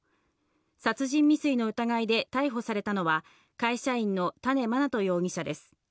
殺人未遂の疑いで逮捕されたのは会社員の多禰茉奈都容疑者です。